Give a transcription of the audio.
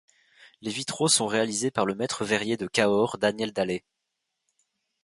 Les vitraux sont réalisés par le maître verrier de Cahors, Daniel Dallet.